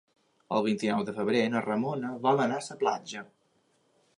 El vint-i-nou de febrer na Ramona vol anar a la platja.